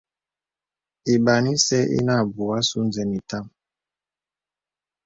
Lbàn ìsə̀ inə abū àsū nzə̀n itàm.